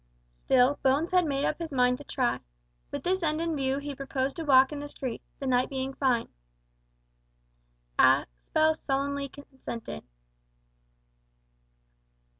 Still, Bones had made up his mind to try. With this end in view he proposed a walk in the street, the night being fine. Aspel sullenly consented.